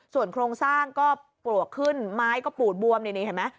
ส่วนโครงสร้างก็ปลวกขึ้นไม้ก็ปูดบวมนี่เห็นไหม